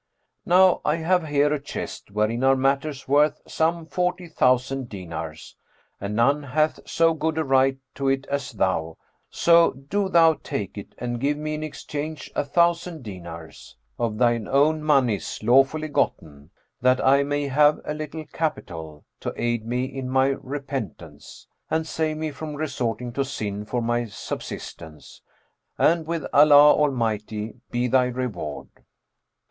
Now I have here a chest, wherein are matters worth some forty thousand dinars; and none hath so good a right to it as thou; so do thou take it and give me in exchange a thousand dinars, of thine own monies lawfully gotten, that I may have a little capital, to aid me in my repentance,[FN#408] and save me from resorting to sin for my subsistence; and with Allah Almighty be thy reward!"